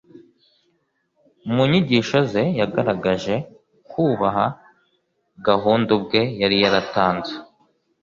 Mu nyigisho ze yagaragaje kubaha gahunda ubwe yari yaratanze